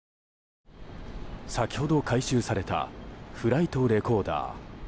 先ほど回収されたフライトレコーダー。